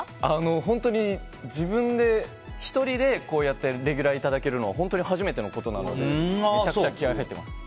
本当に、自分で１人でこうやってレギュラーいただけるのは本当に初めてのことなのでめちゃくちゃ気合入っています。